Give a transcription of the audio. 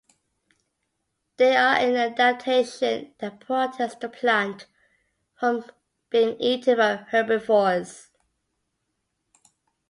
They are an adaptation that protects the plant from being eaten by herbivores.